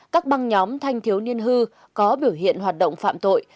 các băng nhóm thanh thiếu niên hư có biểu hiện hoạt động phạm tội